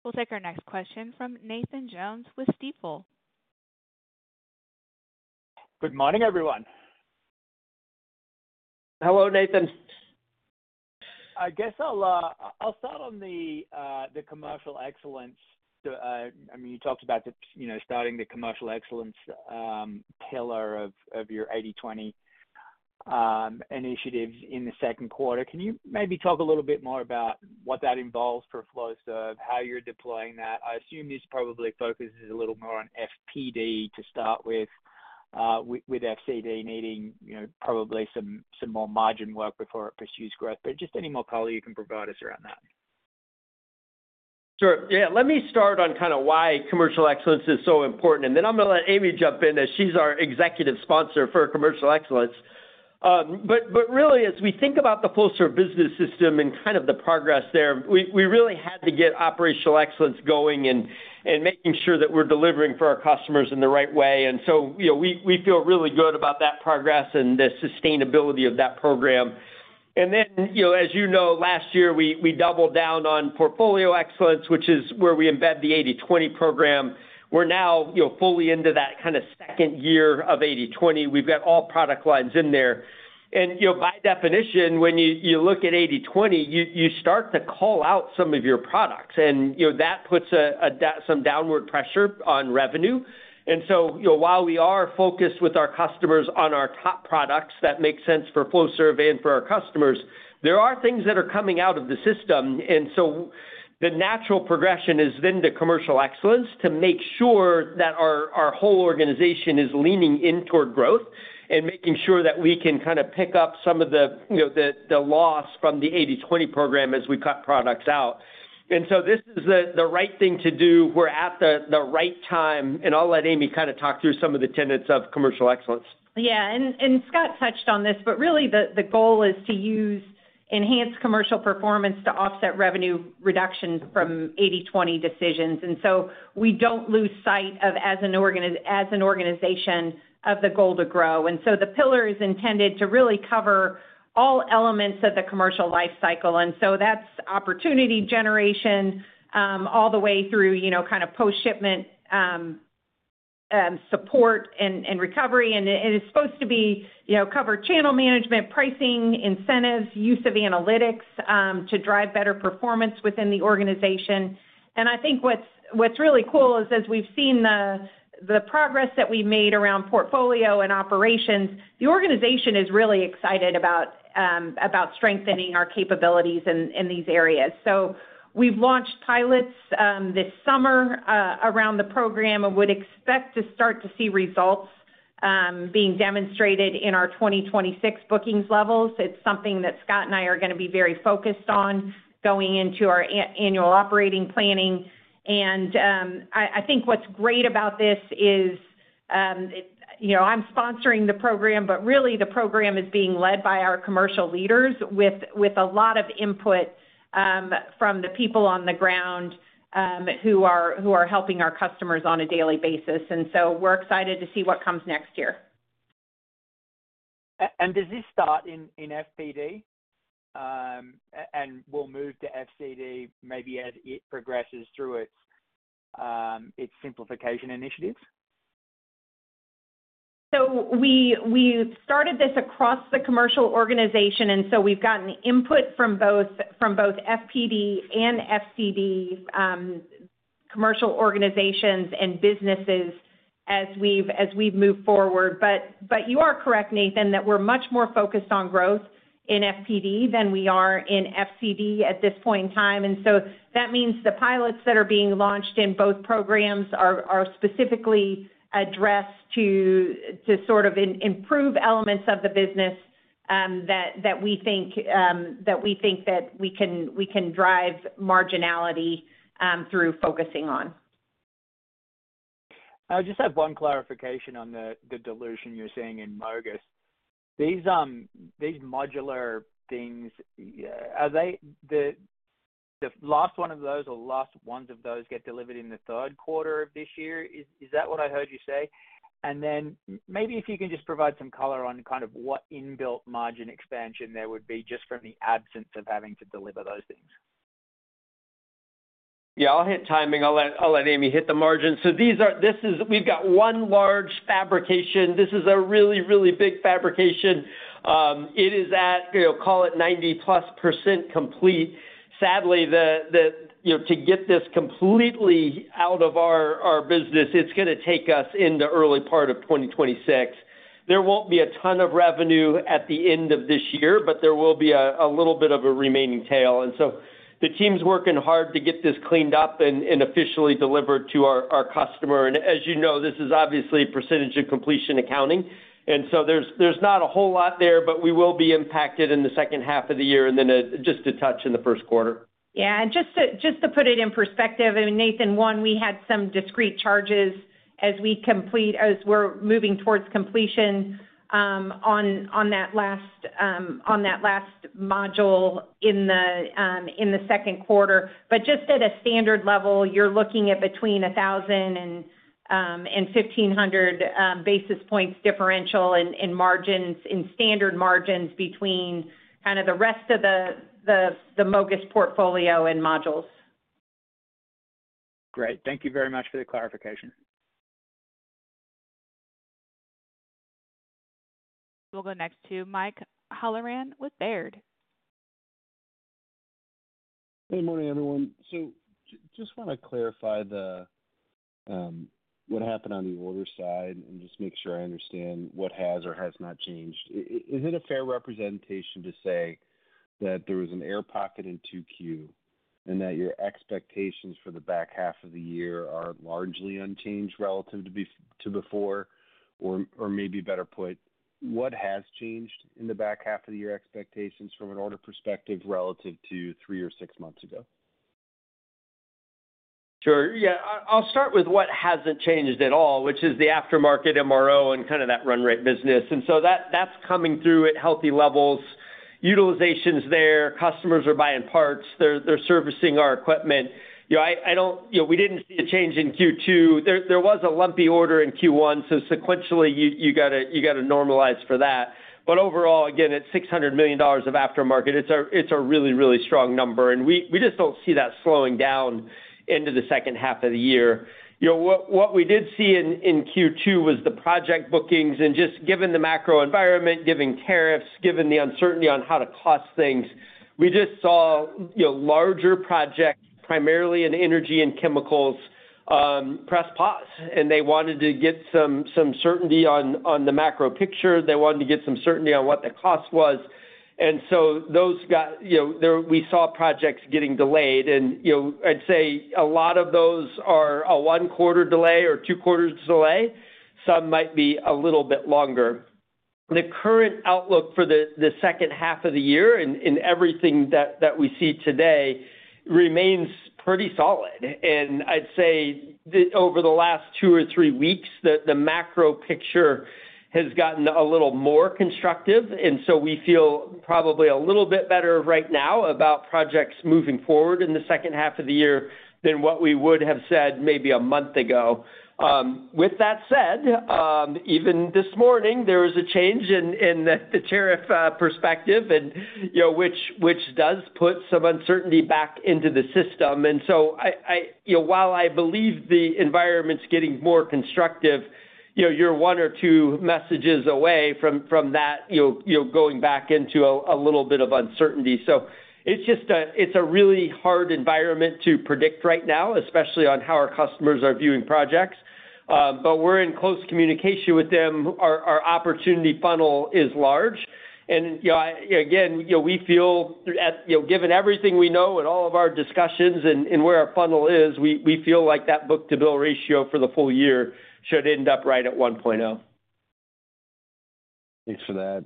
We'll take our next question from Nathan Jones with Stifel. Good morning, everyone. Hello, Nathan. I guess I'll start on the commercial excellence. I mean, you talked about starting the commercial excellence pillar of your 80/20 initiatives in the second quarter. Can you maybe talk a little bit more about what that involves for Flowserve, how you're deploying that? I assume this probably focuses a little more on FPD to start with, with FCD needing probably some more margin work before it pursues growth. Just any more color you can provide us around that. Sure. Yeah. Let me start on kind of why commercial excellence is so important. I'm going to let Amy jump in as she's our Executive Sponsor for commercial excellence. Really, as we think about the Flowserve Business System and kind of the progress there, we really had to get operational excellence going and making sure that we're delivering for our customers in the right way. We feel really good about that progress and the sustainability of that program. As you know, last year, we doubled down on portfolio excellence, which is where we embed the 80/20 program. We're now fully into that kind of second year of 80/20. We've got all product lines in there. By definition, when you look at 80/20, you start to call out some of your products. That puts some downward pressure on revenue. While we are focused with our customers on our top products that make sense for Flowserve and for our customers, there are things that are coming out of the system. The natural progression is then to commercial excellence to make sure that our whole organization is leaning in toward growth and making sure that we can kind of pick up some of the loss from the 80/20 program as we cut products out. This is the right thing to do. We're at the right time. I'll let Amy kind of talk through some of the tenets of commercial excellence. Yeah. Scott touched on this, but really, the goal is to use enhanced commercial performance to offset revenue reductions from 80/20 decisions. We don't lose sight of, as an organization, the goal to grow. The pillar is intended to really cover all elements of the commercial lifecycle. That's opportunity generation all the way through, you know, kind of post-shipment support and recovery. It is supposed to be, you know, cover channel management, pricing, incentives, use of analytics to drive better performance within the organization. I think what's really cool is, as we've seen the progress that we've made around portfolio and operations, the organization is really excited about strengthening our capabilities in these areas. We've launched pilots this summer around the program and would expect to start to see results being demonstrated in our 2026 bookings levels. It's something that Scott and I are going to be very focused on going into our annual operating planning. I think what's great about this is, you know, I'm sponsoring the program, but really, the program is being led by our commercial leaders with a lot of input from the people on the ground who are helping our customers on a daily basis. We're excited to see what comes next year. Does this start in FPD and will move to FCD maybe as it progresses through its simplification initiatives? We have started this across the commercial organization, and we have gotten input from both FPD and FCD commercial organizations and businesses as we move forward. You are correct, Nathan, that we are much more focused on growth in FPD than we are in FCD at this point in time. That means the pilots that are being launched in both programs are specifically addressed to improve elements of the business that we think we can drive marginality through focusing on. I would just have one clarification on the dilution you're seeing in MOGAS. These modular things, are they the last one of those or last ones of those get delivered in the third quarter of this year? Is that what I heard you say? If you can just provide some color on kind of what inbuilt margin expansion there would be just from the absence of having to deliver those things. I'll hit timing. I'll let Amy hit the margins. These are, this is, we've got one large fabrication. This is a really, really big fabrication. It is at, you know, call it 90%+ complete. Sadly, to get this completely out of our business, it's going to take us into the early part of 2026. There won't be a ton of revenue at the end of this year, but there will be a little bit of a remaining tail. The team's working hard to get this cleaned up and officially delivered to our customer. As you know, this is obviously a percentage of completion accounting. There's not a whole lot there, but we will be impacted in the second half of the year and then just a touch in the first quarter. Yeah. Just to put it in perspective, I mean, Nathan, we had some discrete charges as we're moving towards completion on that last module in the second quarter. At a standard level, you're looking at between 1,000 and 1,500 basis points differential in margins, in standard margins between kind of the rest of the MOGAS portfolio and modules. Great. Thank you very much for the clarification. We'll go next to Mike Halloran with Baird. Good morning, everyone. I just want to clarify what happened on the order side and just make sure I understand what has or has not changed. Is it a fair representation to say that there was an air pocket in 2Q and that your expectations for the back half of the year are largely unchanged relative to before? Maybe better put, what has changed in the back half of the year expectations from an order perspective relative to three or six months ago? Sure. Yeah. I'll start with what hasn't changed at all, which is the aftermarket MRO and kind of that run rate business. That's coming through at healthy levels. Utilization is there. Customers are buying parts. They're servicing our equipment. We didn't see a change in Q2. There was a lumpy order in Q1, so sequentially, you got to normalize for that. Overall, again, at $600 million of aftermarket, it's a really, really strong number. We just don't see that slowing down into the second half of the year. What we did see in Q2 was the project bookings. Just given the macro environment, given tariffs, given the uncertainty on how to cost things, we just saw larger projects, primarily in energy and chemicals, press pause. They wanted to get some certainty on the macro picture. They wanted to get some certainty on what the cost was, so those got, we saw projects getting delayed. I'd say a lot of those are a one-quarter delay or two-quarters delay. Some might be a little bit longer. The current outlook for the second half of the year and everything that we see today remains pretty solid. I'd say that over the last two or three weeks, the macro picture has gotten a little more constructive. We feel probably a little bit better right now about projects moving forward in the second half of the year than what we would have said maybe a month ago. With that said, even this morning, there was a change in the tariff perspective, which does put some uncertainty back into the system. While I believe the environment's getting more constructive, you're one or two messages away from that going back into a little bit of uncertainty. It's just a really hard environment to predict right now, especially on how our customers are viewing projects. We're in close communication with them. Our opportunity funnel is large. Again, we feel, given everything we know and all of our discussions and where our funnel is, we feel like that book-to-bill ratio for the full year should end up right at 1.0x. Thanks for that.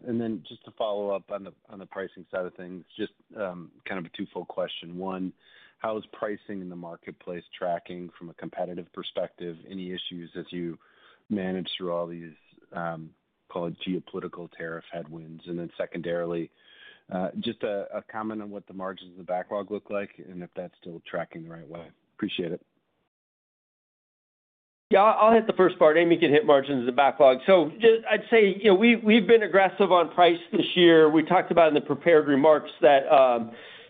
Just to follow up on the pricing side of things, just kind of a twofold question. One, how is pricing in the marketplace tracking from a competitive perspective? Any issues as you manage through all these, call it geopolitical tariff headwinds? Secondarily, just a comment on what the margins of the backlog look like and if that's still tracking the right way. Appreciate it. Yeah, I'll hit the first part. Amy can hit margins of the backlog. I'd say, you know, we've been aggressive on price this year. We talked about in the prepared remarks that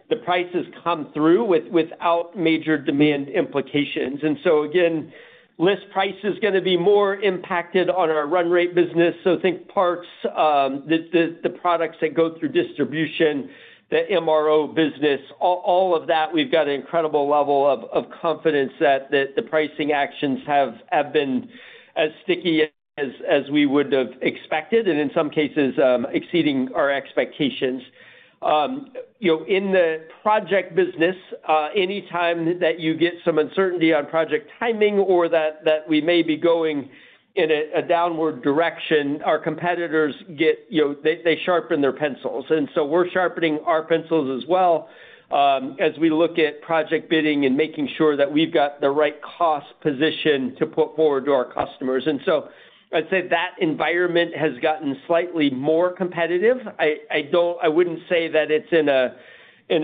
the price has come through without major demand implications. Again, less price is going to be more impacted on our run rate business. Think parts, the products that go through distribution, the MRO business, all of that. We've got an incredible level of confidence that the pricing actions have been as sticky as we would have expected, and in some cases, exceeding our expectations. You know, in the project business, anytime that you get some uncertainty on project timing or that we may be going in a downward direction, our competitors get, you know, they sharpen their pencils. We're sharpening our pencils as well as we look at project bidding and making sure that we've got the right cost position to put forward to our customers. I'd say that environment has gotten slightly more competitive. I wouldn't say that it's in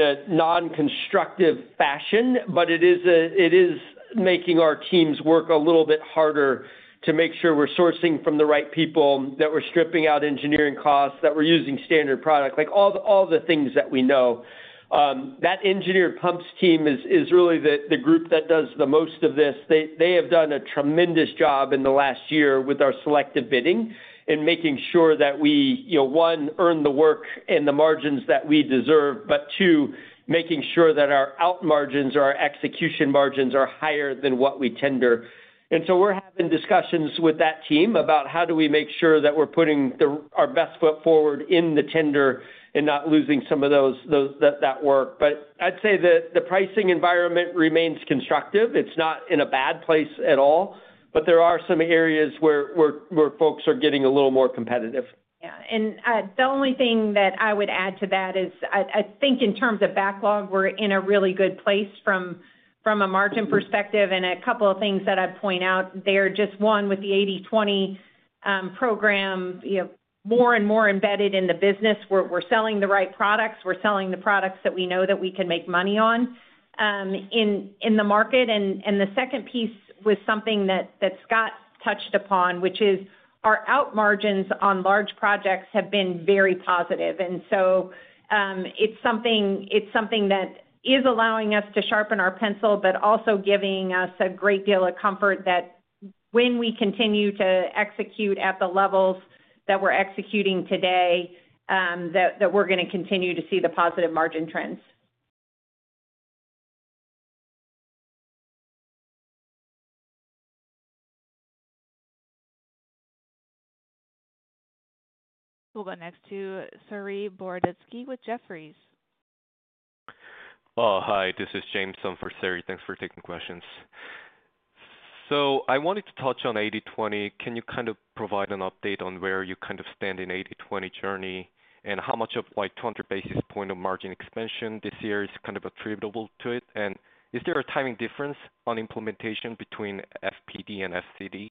a nonconstructive fashion, but it is making our teams work a little bit harder to make sure we're sourcing from the right people, that we're stripping out engineering costs, that we're using standard product, like all the things that we know. That engineered pumps team is really the group that does the most of this. They have done a tremendous job in the last year with our selective bidding and making sure that we, you know, one, earn the work and the margins that we deserve, but two, making sure that our out margins or our execution margins are higher than what we tender. We're having discussions with that team about how do we make sure that we're putting our best foot forward in the tender and not losing some of those that work. I'd say that the pricing environment remains constructive. It's not in a bad place at all, but there are some areas where folks are getting a little more competitive. Yeah. The only thing that I would add to that is I think in terms of backlog, we're in a really good place from a margin perspective. A couple of things that I'd point out there, just one with the 80/20 complexity reduction program, you know, more and more embedded in the business. We're selling the right products. We're selling the products that we know that we can make money on in the market. The second piece was something that Scott touched upon, which is our out margins on large projects have been very positive. It is something that is allowing us to sharpen our pencil, but also giving us a great deal of comfort that when we continue to execute at the levels that we're executing today, we're going to continue to see the positive margin trends. We'll go next to Saree Boroditsky with Jefferies. Oh, hi. This is James from Saree. Thanks for taking questions. I wanted to touch on 80/20. Can you kind of provide an update on where you kind of stand in 80/20 journey and how much of like 200 basis point of margin expansion this year is kind of attributable to it? Is there a timing difference on implementation between FPD and FCD?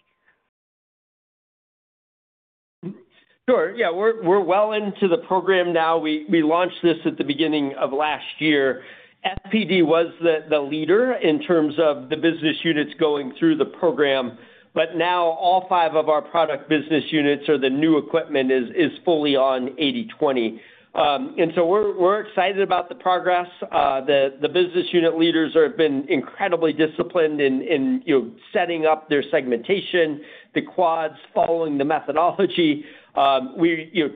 Sure. Yeah. We're well into the program now. We launched this at the beginning of last year. FPD was the leader in terms of the business units going through the program. Now all five of our product business units or the new equipment is fully on 80/20. We're excited about the progress. The business unit leaders have been incredibly disciplined in setting up their segmentation, the quads, following the methodology.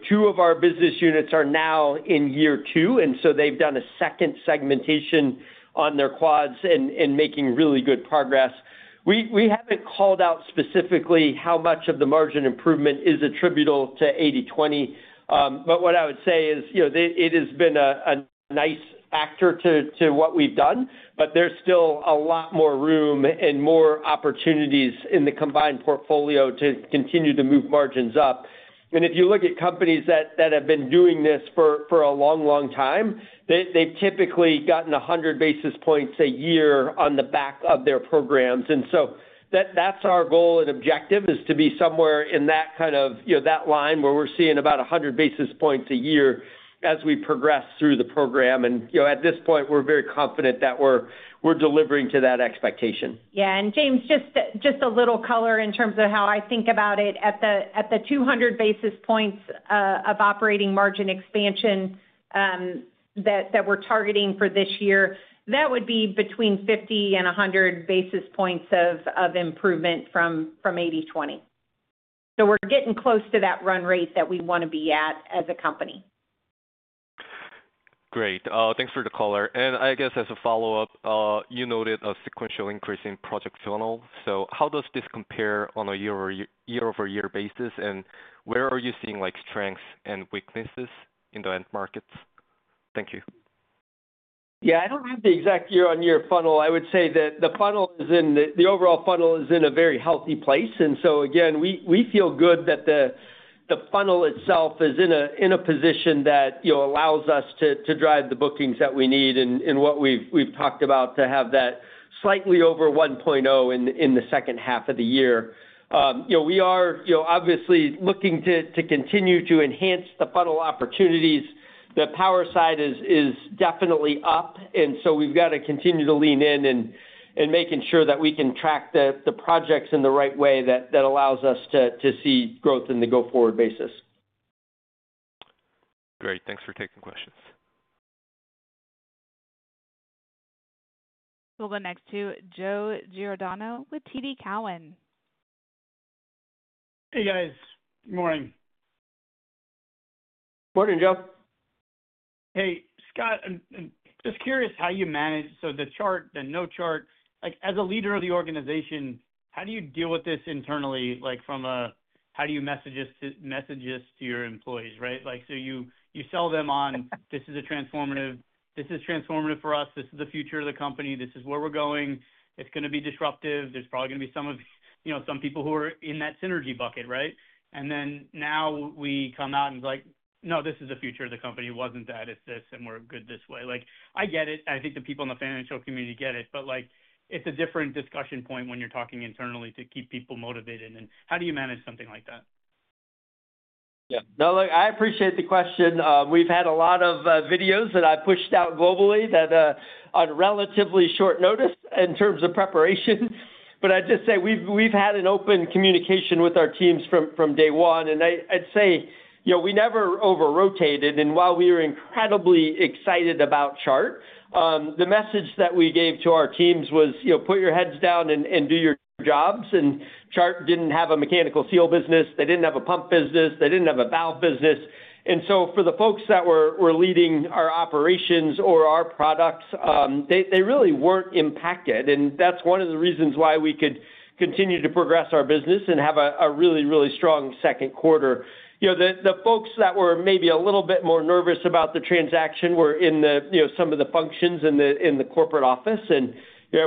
Two of our business units are now in year two. They've done a second segmentation on their quads and making really good progress. We haven't called out specifically how much of the margin improvement is attributable to 80/20. What I would say is, you know, it has been a nice factor to what we've done. There's still a lot more room and more opportunities in the combined portfolio to continue to move margins up. If you look at companies that have been doing this for a long, long time, they've typically gotten 100 basis points a year on the back of their programs. That's our goal and objective, to be somewhere in that kind of, you know, that line where we're seeing about 100 basis points a year as we progress through the program. At this point, we're very confident that we're delivering to that expectation. Yeah. James, just a little color in terms of how I think about it. At the 200 basis points of operating margin expansion that we're targeting for this year, that would be between 50 and 100 basis points of improvement from 80/20. We're getting close to that run rate that we want to be at as a company. Great. Thanks for the color. I guess as a follow-up, you noted a sequential increase in project funnel. How does this compare on a year-over-year basis? Where are you seeing strengths and weaknesses in the end markets? Thank you. I don't have the exact year-on-year funnel. I would say that the funnel is in the overall funnel is in a very healthy place. We feel good that the funnel itself is in a position that allows us to drive the bookings that we need and what we've talked about to have that slightly over 1.0x in the second half of the year. We are obviously looking to continue to enhance the funnel opportunities. The power side is definitely up. We have to continue to lean in and make sure that we can track the projects in the right way that allows us to see growth on a go-forward basis. Great. Thanks for taking questions. We'll go next to Joe Giordano with TD Cowen. Hey, guys. Good morning. Morning, Joe. Hey, Scott. I'm just curious how you manage, so the Chart, the no Chart. Like, as a leader of the organization, how do you deal with this internally? From a how do you message this to your employees, right? You sell them on, "This is transformative for us. This is the future of the company. This is where we're going. It's going to be disruptive. There's probably going to be some of, you know, some people who are in that synergy bucket," right? Now we come out and it's like, "No, this is the future of the company. It wasn't that. It's this, and we're good this way." I get it. I think the people in the financial community get it. It's a different discussion point when you're talking internally to keep people motivated. How do you manage something like that? Yeah. No, look, I appreciate the question. We've had a lot of videos that I pushed out globally on relatively short notice in terms of preparation. I'd just say we've had an open communication with our teams from day one. I'd say, you know, we never over-rotated. While we were incredibly excited about Chart, the message that we gave to our teams was, "You know, put your heads down and do your jobs." Chart didn't have a mechanical seal business. They didn't have a pump business. They didn't have a valve business. For the folks that were leading our operations or our products, they really weren't impacted. That's one of the reasons why we could continue to progress our business and have a really, really strong second quarter. The folks that were maybe a little bit more nervous about the transaction were in some of the functions in the corporate office.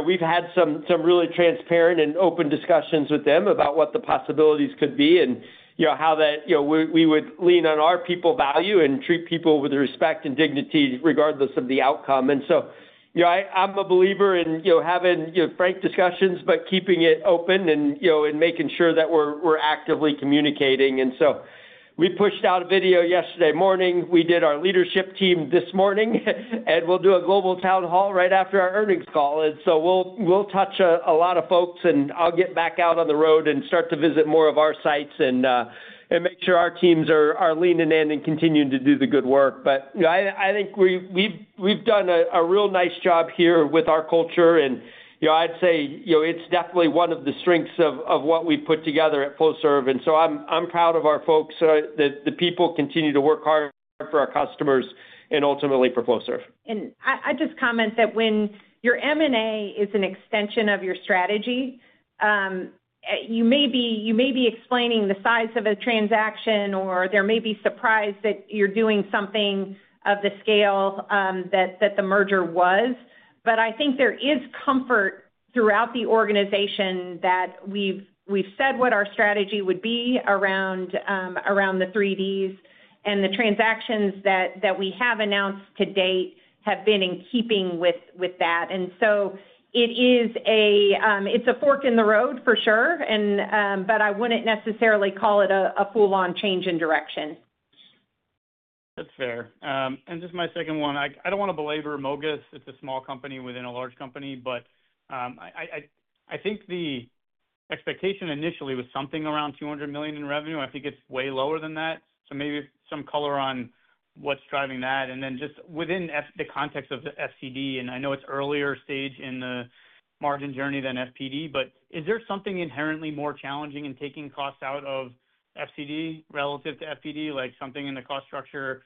We've had some really transparent and open discussions with them about what the possibilities could be and how we would lean on our people value and treat people with respect and dignity regardless of the outcome. I'm a believer in having frank discussions but keeping it open and making sure that we're actively communicating. We pushed out a video yesterday morning. We did our leadership team this morning. We'll do a global town hall right after our earnings call. We'll touch a lot of folks. I'll get back out on the road and start to visit more of our sites and make sure our teams are leaning in and continuing to do the good work. I think we've done a real nice job here with our culture. I'd say it's definitely one of the strengths of what we put together at Flowserve. I'm proud of our folks, that the people continue to work hard for our customers and ultimately for Flowserve. I’d just comment that when your M&A is an extension of your strategy, you may be explaining the size of a transaction or there may be surprise that you’re doing something of the scale that the merger was. I think there is comfort throughout the organization that we’ve said what our strategy would be around the 3Ds, and the transactions that we have announced to date have been in keeping with that. It’s a fork in the road for sure, but I wouldn’t necessarily call it a full-on change in direction. That's fair. Just my second one. I don't want to belabor MOGAS. It's a small company within a large company. I think the expectation initially was something around $200 million in revenue. I think it's way lower than that. Maybe some color on what's driving that. Within the context of the FCD, I know it's earlier stage in the margin journey than FPD. Is there something inherently more challenging in taking costs out of FCD relative to FPD, like something in the cost structure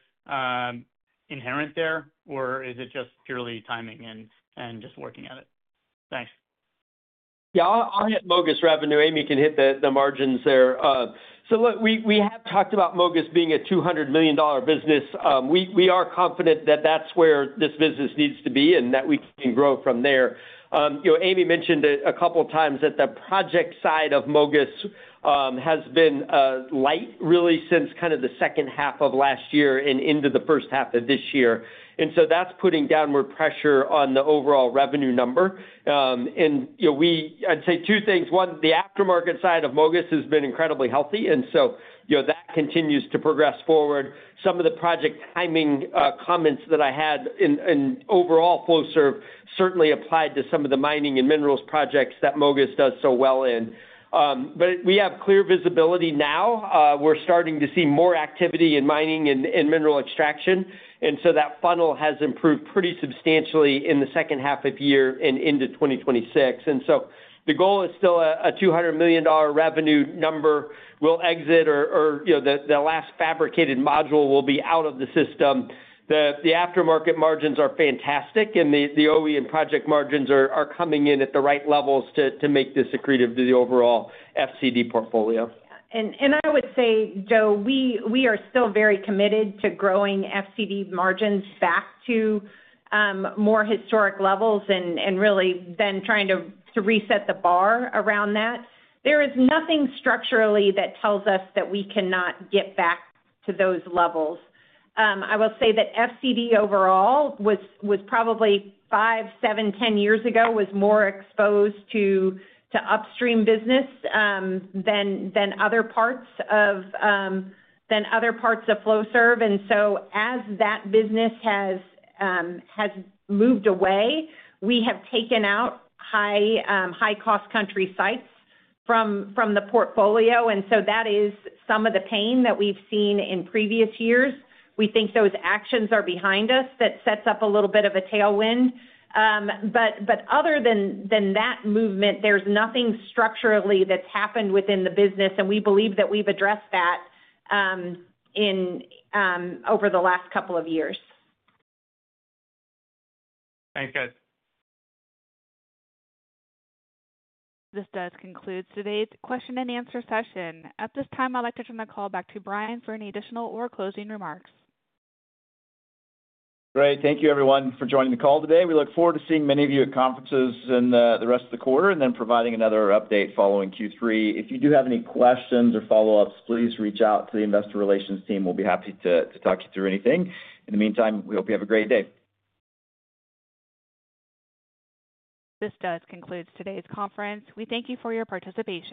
inherent there? Or is it just purely timing and just working at it? Thanks. Yeah, I'll hit MOGAS revenue. Amy can hit the margins there. We have talked about MOGAS being a $200 million business. We are confident that that's where this business needs to be and that we can grow from there. Amy mentioned a couple of times that the project side of MOGAS has been light, really, since kind of the second half of last year and into the first half of this year. That is putting downward pressure on the overall revenue number. I'd say two things. One, the aftermarket side of MOGAS has been incredibly healthy, and that continues to progress forward. Some of the project timing comments that I had in overall Flowserve certainly applied to some of the mining and minerals projects that MOGAS does so well in. We have clear visibility now. We're starting to see more activity in mining and mineral extraction, and that funnel has improved pretty substantially in the second half of the year and into 2026. The goal is still a $200 million revenue number. We will exit or the last fabricated module will be out of the system. The aftermarket margins are fantastic, and the OE and project margins are coming in at the right levels to make this accretive to the overall FCD portfolio. Yeah. I would say, Joe, we are still very committed to growing FCD margins back to more historic levels and really then trying to reset the bar around that. There is nothing structurally that tells us that we cannot get back to those levels. I will say that FCD overall was probably 5, 7, 10 years ago more exposed to upstream business than other parts of Flowserve. As that business has moved away, we have taken out high-cost country sites from the portfolio. That is some of the pain that we've seen in previous years. We think those actions are behind us. That sets up a little bit of a tailwind. Other than that movement, there's nothing structurally that's happened within the business. We believe that we've addressed that over the last couple of years. Thanks, guys. This does conclude today's question and answer session. At this time, I'd like to turn the call back to Brian for any additional or closing remarks. Great. Thank you, everyone, for joining the call today. We look forward to seeing many of you at conferences in the rest of the quarter and then providing another update following Q3. If you do have any questions or follow-ups, please reach out to the investor relations team. We'll be happy to talk you through anything. In the meantime, we hope you have a great day. This does conclude today's conference. We thank you for your participation.